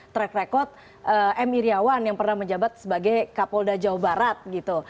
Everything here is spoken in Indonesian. track record m iryawan yang pernah menjabat sebagai kapolda jawa barat gitu